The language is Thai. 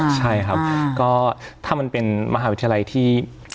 ใช่ครับก็ถ้ามันเป็นมหาวิทยาลัยที่